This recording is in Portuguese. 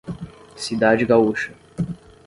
Cidade Gaúcha